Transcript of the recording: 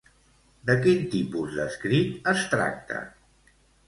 De quin tipus d'escrit es tracta?